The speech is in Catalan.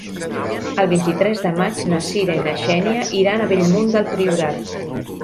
El vint-i-tres de maig na Sira i na Xènia iran a Bellmunt del Priorat.